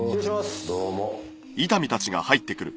どうも。